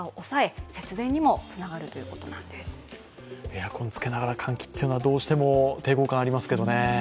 エアコンをつけながら換気というのはどうしても抵抗感ありますけどね。